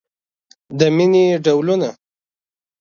د مینې ډولونه